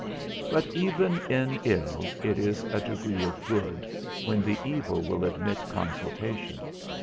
But even in ill it is a degree of good when the evil will admit consultation.